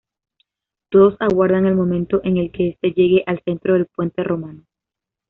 Todos aguardan el momento en el que esta llegue al centro del puente romano.